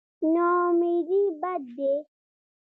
نااميدي بد دی.